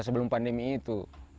sebelum pandemi itu